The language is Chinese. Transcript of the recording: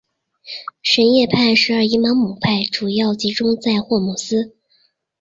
什叶派十二伊玛目派主要集中在霍姆斯。